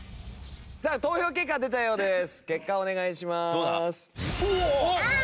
さあ投票結果が出たようです。